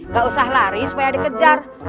gak usah lari supaya dikejar